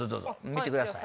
見てください。